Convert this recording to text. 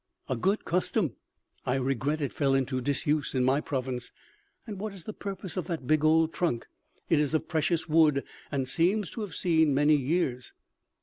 "A good custom. I regret it fell into disuse in my province. And what is the purpose of that big old trunk? It is of precious wood and seems to have seen many years."